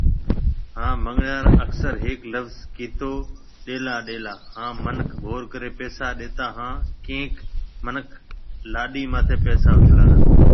هان منڱڻهار اڪثر هيڪ لفظ ڪيتو ڏيلا ڏيلا هان منک گھور ڪري پئسا ڏيتا هان ڪئينڪ منک لاڏي ماٿي پئسا اُڇلاتا